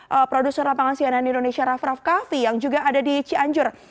kita akan langsung bergeser menuju ke produsen lapangan cnn indonesia raff raff kaffi yang juga ada di cianjur